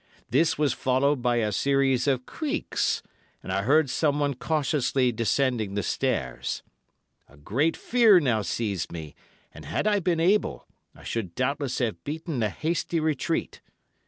This was followed by a series of creaks, and I heard someone cautiously descending the stairs. A great fear now seized me, and had I been able, I should doubtless have beaten a hasty retreat.